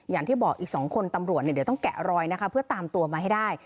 อย่างที่บอกอีก๒คนตำรวจเนี่ยเดี๋ยวต้องแกะรอยนะคะเพื่อตามตัวมาให้ได้